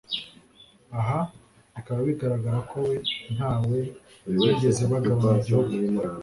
Aha bikaba bigaragara ko we ntawe bigeze bagabana igihugu